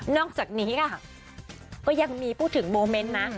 อกจากนี้ค่ะก็ยังมีพูดถึงโมเมนต์นะ